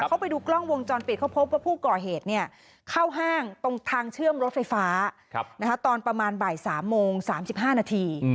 เขาไปดูกล้องวงจรปิดเขาพบว่าผู้ก่อเหตุเข้าห้างตรงทางเชื่อมรถไฟฟ้าตอนประมาณบ่าย๓โมง๓๕นาที